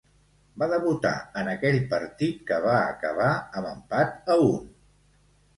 Va debutar en aquell partit que va acabar amb empat a un.